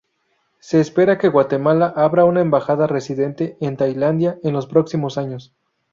Se espera que Guatemala abra una embajada residente en Tailandia en los próximos años.